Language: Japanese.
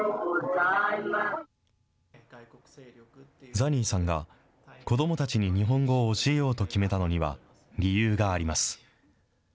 ザニーさんが、子どもたちに日本語を教えようと決めたのには理由があります。